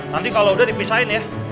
nanti kalau udah dipisahin ya